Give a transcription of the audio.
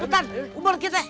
cepetan kubur kita